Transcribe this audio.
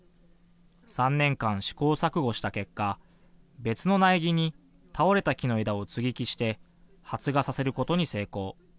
３年間、試行錯誤した結果別の苗木に倒れた木の枝を接ぎ木して発芽させることに成功。